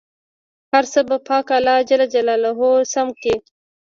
هر څه به پاک الله جل جلاله سم کړي.